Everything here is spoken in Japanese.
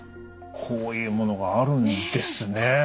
こういうものがあるんですね。